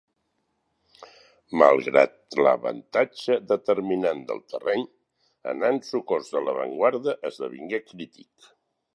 Malgrat l'avantatge determinant del terreny, anar en socors de l'avantguarda esdevingué crític.